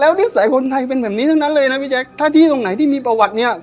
นิสัยคนไทยเป็นแบบนี้ทั้งนั้นเลยนะพี่แจ๊คถ้าที่ตรงไหนที่มีประวัติเนี่ย